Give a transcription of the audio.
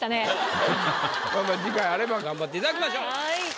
次回あれば頑張っていただきましょう。